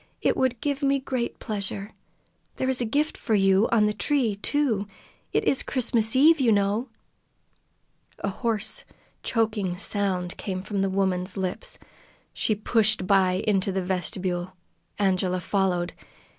"It would give me great pleasure. There is a gift for you on the tree, too. It is Christmas Eve, you know!" A hoarse, choking sound came from the woman's lips. She pushed by into the vestibule. Angela followed.